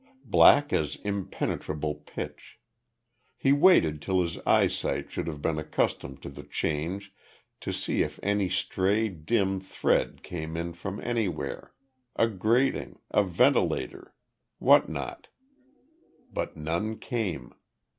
Black as impenetrable pitch. He waited till his eyesight should have been accustomed to the change to see if any stray dim thread came in from anywhere; a grating, a ventilator, what not? But none came.